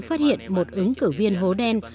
phát hiện một ứng cử viên hố đen